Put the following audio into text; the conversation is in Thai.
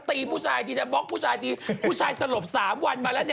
จะตีผู้ชายจะบ๊อกผู้ชายจริงผู้ชายสะหรบ๓วันมาแล้วนี่